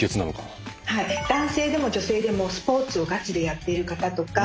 男性でも女性でもスポーツをガチでやっている方とか。